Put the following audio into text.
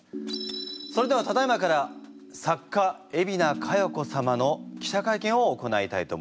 それではただいまから作家海老名香葉子様の記者会見を行いたいと思います。